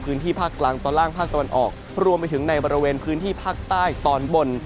พื้นที่ภาคกลางตอนล่างภาคตะวันออกรวมไปถึงในบริเวณพื้นที่ภาคใต้ตอนบน